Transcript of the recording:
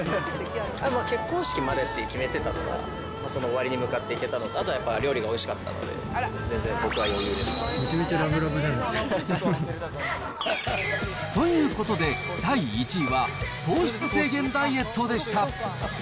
結婚式までって決めたのが、その終わりに向かっていけたのかなと、あと料理がおいしかったんめちゃめちゃラブラブじゃなということで、第１位は糖質制限ダイエットでした。